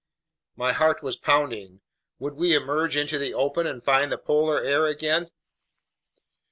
My heart was pounding. Would we emerge into the open and find the polar air again?